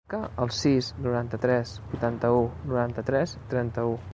Marca el sis, noranta-tres, vuitanta-u, noranta-tres, trenta-u.